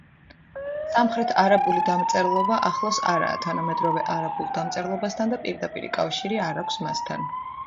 სამხრეთარაბული დამწერლობა ახლოს არაა თანამედროვე არაბულ დამწერლობასთან და პირდაპირი კავშირი არ აქვს მასთან.